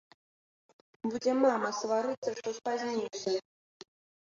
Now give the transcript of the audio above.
Будзе мама сварыцца, што спазніўся.